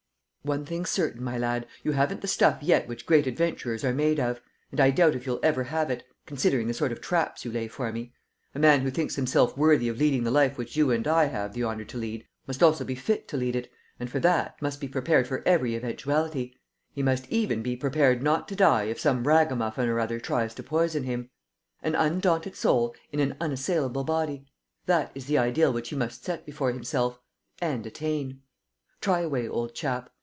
"One thing's certain, my lad: you haven't the stuff yet which great adventurers are made of; and I doubt if you'll ever have it, considering the sort of traps you lay for me. A man who thinks himself worthy of leading the life which you and I have the honor to lead must also be fit to lead it, and, for that, must be prepared for every eventuality: he must even be prepared not to die if some ragamuffin or other tries to poison him. ... An undaunted soul in an unassailable body: that is the ideal which he must set before himself ... and attain. Try away, old chap.